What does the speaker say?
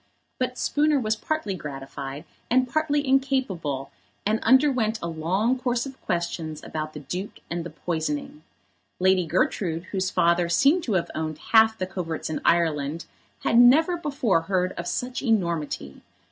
But Spooner was partly gratified, and partly incapable, and underwent a long course of questions about the Duke and the poisoning. Lady Gertrude, whose father seemed to have owned half the coverts in Ireland, had never before heard of such enormity.